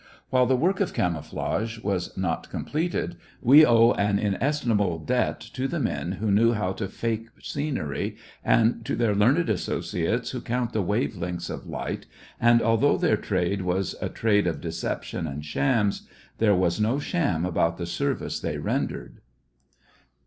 While the work of camouflage was not completed, we owe an inestimable debt to the men who knew how to fake scenery and to their learned associates who count the wave lengths of light, and although their trade was a trade of deception and shams, there was no sham about the service they rendered.